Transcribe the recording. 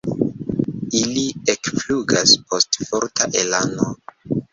Ili ekflugas post forta elano.